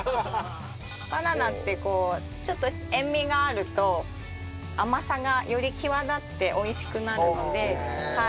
バナナってこうちょっと塩味があると甘さがより際立って美味しくなるのではい。